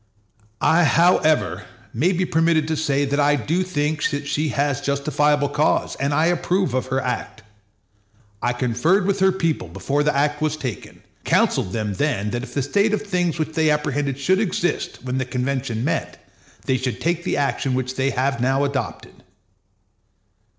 I. however, may be permitted to say that I do think that she has justifiable cause, and I approve of her act. I conferred with her people before the act was taken, counseled them then that if the state of things which they apprehended should exist when the convention met, they should take the action which they have now adopted.